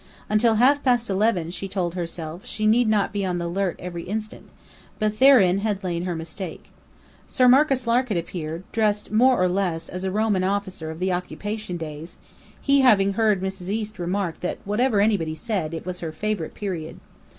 Until half past eleven, she told herself, she need not be on the alert every instant; but therein had lain her mistake. Sir Marcus Lark had appeared, dressed (more or less) as a Roman officer of the Occupation days, he having heard Mrs. East remark that, "whatever anybody said, it was her favourite period."